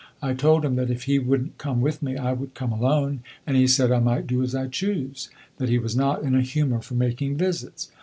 I told him that if he would n't come with me I would come alone, and he said I might do as I chose that he was not in a humor for making visits.